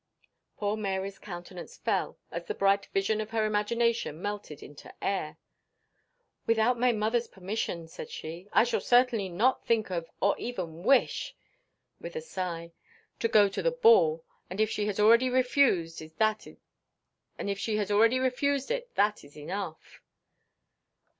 Poor Mary's countenance fell, as the bright vision of her imagination melted into air. "Without my mother's permission," said she, "I shall certainly not think of, or even wish " with a sigh "to go to the ball, and if she has already refused it that is enough."